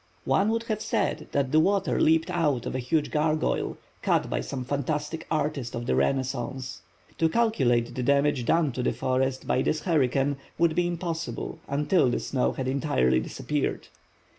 One would have said that the water leaped out of a huge gargoyle, cut by some fantastic artist of the Renaissance. To calculate the damage done to the forest by this hurricane would be impossible until the snow had entirely disappeared.